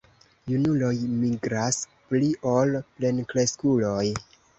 Junuloj migras pli ol plenkreskuloj.